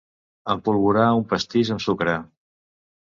Empolvorar un pastís amb sucre.